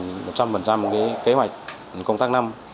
hoàn thành một trăm linh cái kế hoạch công tác năm